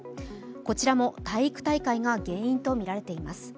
こちらも体育大会が原因とみられています。